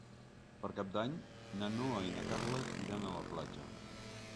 Per Cap d'Any na Noa i na Carla iran a la platja.